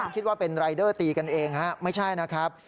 คิดว่าเป็นรายเดอร์ตีกันเองฮะไม่ใช่นะครับ